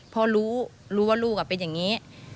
เพราะรู้รู้ว่าลูกเป็นอย่างนี้